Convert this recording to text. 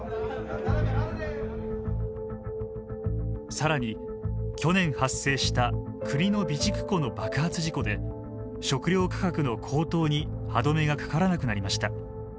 更に去年発生した国の備蓄庫の爆発事故で食料価格の高騰に歯止めがかからなくなりました。